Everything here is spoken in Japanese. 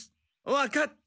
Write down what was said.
わかった。